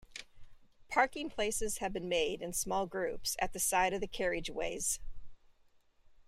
Parking places have been made, in small groups, at the side of the carriageways.